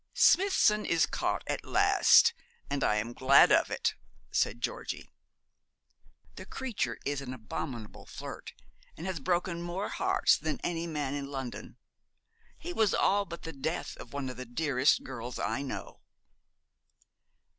'Smithson is caught at last, and I am glad of it,' said Georgie. 'The creature is an abominable flirt, and has broken more hearts than any man in London. He was all but the death of one of the dearest girls I know.'